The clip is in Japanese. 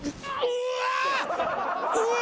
うわ！